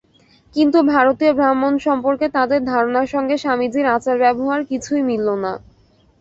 কিন্তু ভারতীয় ব্রাহ্মণ সম্পর্কে তাঁদের ধারণার সঙ্গে স্বামীজীর আচার-ব্যবহার কিছুই মিলল না।